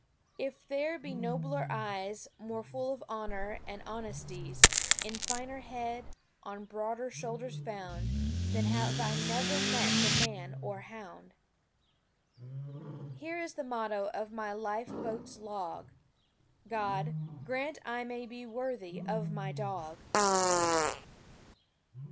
If there be nobler eyes, More full of honor and of honesties, In finer head, on broader shoulders found, Then have I never met the man or hound. Here is the motto on my lifeboat's log: "God grant I may be worthy of my dog!"